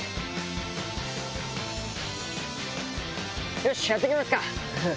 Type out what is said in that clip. よしやっていきますか。